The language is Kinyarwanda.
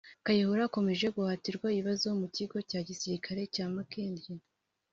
Kayihura akomeje guhatirwa ibibazo mu kigo cya gisirikare cya Makindye